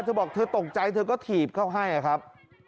เธอบอกเธอตกใจเธอก็ถีบเขาให้ครับ